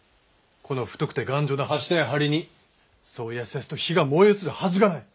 この太くて頑丈な柱や梁にそうやすやすと火が燃え移るはずがない。